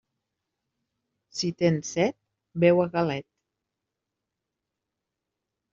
Si tens set, beu a galet.